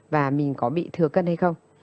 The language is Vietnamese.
và mình có bị thừa cân hay không